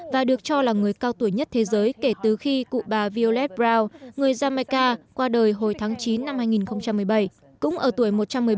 và được cho là người cao tuổi nhất thế giới kể từ khi cụ bà violet brown người jamaica qua đời hồi tháng chín năm hai nghìn một mươi bảy cũng ở tuổi một trăm một mươi bảy